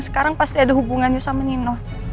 sekarang pasti ada hubungannya sama nino